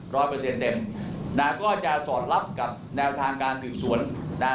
ร้อยเปอร์เซ็นต์เด็มน่าก็จะสอดลับกับแนวทางการสืบสวนน่า